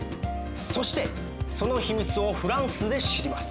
そしてその秘密をフランスで知ります。